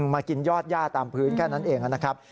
มากินยอดย่าตามพื้นแค่นั้นเองนะครับ